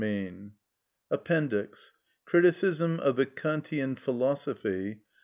Footnotes APPENDIX: CRITICISM OF THE KANTIAN PHILOSOPHY.